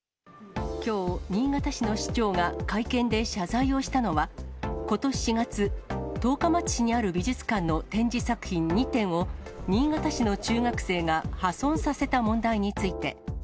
きょう、新潟市の市長が会見で謝罪をしたのは、ことし４月、十日町市にある美術館の展示作品２点を、新潟市の中学生が破損させた問題について。